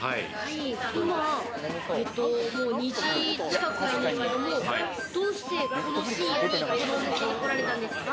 今、もう２時近くなんですけども、どうして、この深夜にこのお店に来られたんですか？